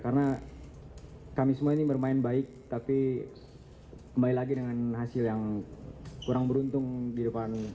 karena kami semua ini bermain baik tapi main lagi dengan hasil yang kurang beruntung di depan